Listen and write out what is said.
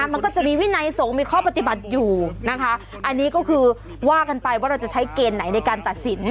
มันก็จะมีวินัยสงฆ์มีข้อปฏิบัติอยู่นะคะอันนี้ก็คือว่ากันไปว่าเราจะใช้เกณฑ์ไหนในการตัดสิน